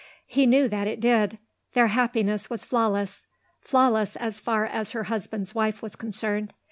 He knew that it did. Their happiness was flawless; flawless as far as her husband's wife was concerned.